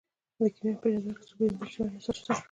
د کیمیا په جدول کې څو پیژندل شوي عناصر شته.